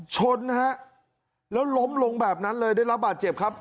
ชนนะฮะแล้วล้มลงแบบนั้นเลยได้รับบาดเจ็บครับ